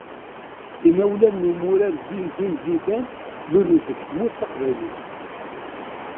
Imawlan n umurar Zineddine Zidane lulen-d deg Tmurt Taqbaylit.